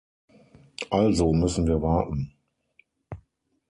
Also müssen wir warten.